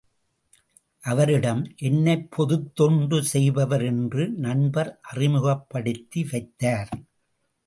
அவரிடம், என்னைப் பொதுத் தொண்டு செய்பவர் என்று நண்பர் அறிமுகப்படுத்தி வைத்தார்.